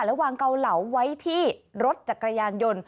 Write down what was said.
แล้ววางเกาเหลาไว้ที่รถจักรยานยนต์